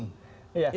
dia telah melakukan